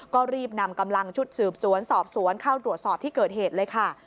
ก็รีบนำกำลังชุดสืบสวนสอบสวนเข้าตรวจสอบที่เกิดเหตุเลยค่ะ